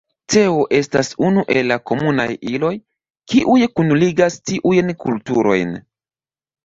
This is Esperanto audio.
Teo estas unu el la komunaj iloj, kiuj kunligas tiujn kulturojn.